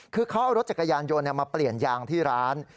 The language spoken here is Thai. คือเขาเอารถจักรยานยนต์มาเปลี่ยนยางที่ร้าน